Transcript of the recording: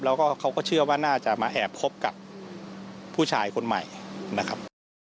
แล้วก็เขาก็เชื่อว่าน่าจะมาแอบคบกับผู้ชายคนใหม่นะครับ